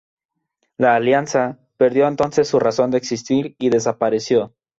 La "Alianza" perdió entonces su razón de existir y desapareció.